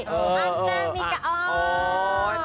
นั่งนี่ก็อ๋อ